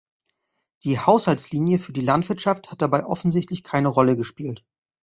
Die Haushaltslinie für die Landwirtschaft hat dabei offensichtlich keine Rolle gespielt.